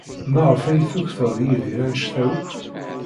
Maɣef ay tukḍed Yidir anect-a akk?